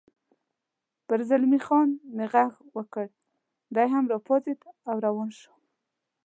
پر زلمی خان مې غږ وکړ، دی هم را پاڅېد او روان شو.